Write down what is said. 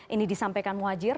ini disampaikan muhajir